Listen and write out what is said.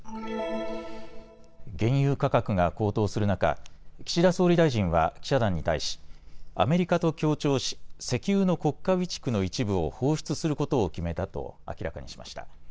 原油価格が高騰する中、岸田総理大臣は記者団に対しアメリカと協調し石油の国家備蓄の一部を放出することを決めたと明らかにしました。